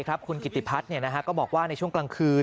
คุณกิติพัฒน์ก็บอกว่าในช่วงกลางคืน